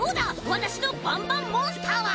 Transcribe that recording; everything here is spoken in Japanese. わたしのバンバンモンスターは！